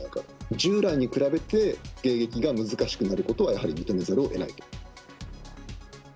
従来に比べて迎撃が難しくなることはやはり認めざるをえないと。